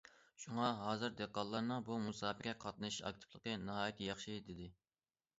شۇڭا، ھازىر دېھقانلارنىڭ بۇ مۇسابىقىگە قاتنىشىش ئاكتىپلىقى ناھايىتى ياخشى، دېدى.